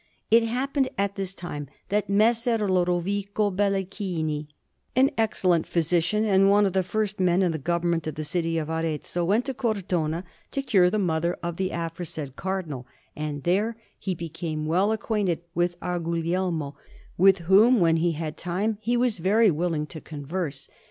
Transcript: It happened at this time that Messer Lodovico Belichini, an excellent physician, and one of the first men in the government of the city of Arezzo, went to Cortona to cure the mother of the aforesaid Cardinal; and there he became well acquainted with our Guglielmo, with whom, when he had time, he was very willing to converse.